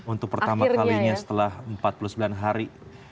untuk pertama kalinya setelah empat puluh sembilan hari